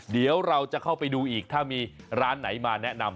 เดี๋ยวเราจะเข้าไปดูอีกถ้ามีร้านไหนมาแนะนำ